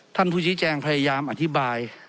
ท่านผู้ชี้แจงพยายามอธิบาย